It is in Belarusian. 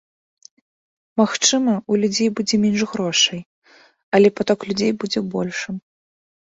Магчыма, у людзей будзе менш грошай, але паток людзей будзе большым.